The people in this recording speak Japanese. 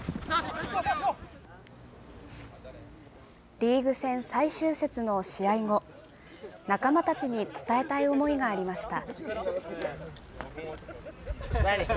リーグ戦最終節の試合後、仲間たちに伝えたい思いがありました。